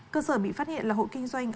cơ sở bị phát hiện là hộ kinh doanh